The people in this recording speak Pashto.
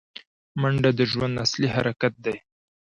منډه د ژوند اصلي حرکت دی